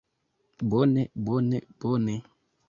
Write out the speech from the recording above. Bone, bone, bone...